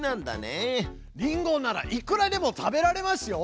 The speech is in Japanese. リンゴならいくらでも食べられますよ！